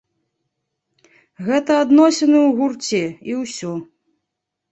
Гэта адносіны ў гурце, і ўсё.